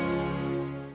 mengingat panda jojujos